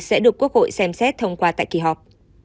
sẽ được quốc hội xem xét thông qua tại kỳ họp